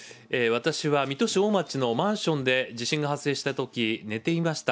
私は水戸市おおまちのマンションで地震が発生したとき寝ていました。